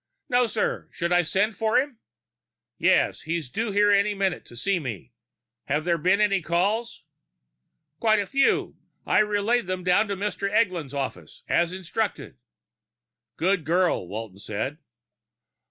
"No, sir. Should I send for him?" "Yes. He's due here any minute to see me. Have there been any calls?" "Quite a few. I've relayed them down to Mr. Eglin's office, as instructed." "Good girl," Walton said.